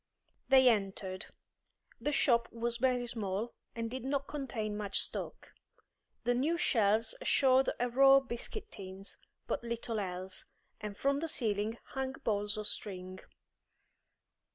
They entered. The shop was very small and did not contain much stock. The new shelves showed a row of biscuit tins, but little else, and from the ceiling hung balls of string.